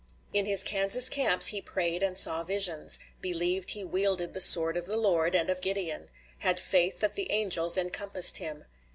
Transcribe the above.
In his Kansas camps he prayed and saw visions; believed he wielded the sword of the Lord and of Gideon; had faith that the angels encompassed him.